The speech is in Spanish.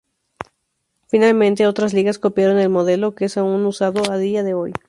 Finalmente, otras ligas copiaron el modelo, que es aún usado a día de hoy.